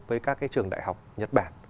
với các cái trường đại học nhật bản